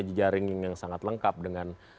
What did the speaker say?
jejaring yang sangat lengkap dengan